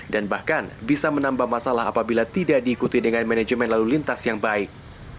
dan bahkan bisa menambah masalah apabila tidak diikuti dengan manajemen lalu lintas yang baik